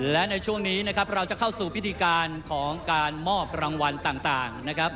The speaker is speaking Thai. และในช่วงนี้นะครับเราจะเข้าสู่พิธีการของการมอบรางวัลต่างนะครับ